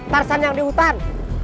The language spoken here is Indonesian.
tarsan yang di hutan